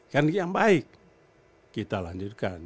kan yang baik kita lanjutkan